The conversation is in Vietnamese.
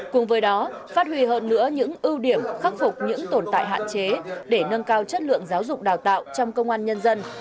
cùng với đó phát huy hơn nữa những ưu điểm khắc phục những tồn tại hạn chế để nâng cao chất lượng giáo dục đào tạo trong công an nhân dân